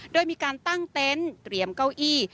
โดยมีการตั้งเต็นต์เตรียมเก้าอี้